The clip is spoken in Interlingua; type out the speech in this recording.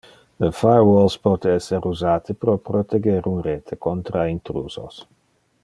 Le firewalles pote esser usate pro proteger un rete contra intrusos.